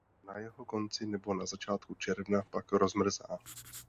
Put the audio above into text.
Na jeho konci nebo na začátku června pak rozmrzá.